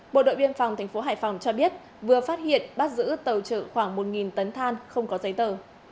bộ đội biên phòng tp hải phòng cho biết vừa phát hiện bắt giữ tàu trợ khoảng một tấn than không có giấy tờ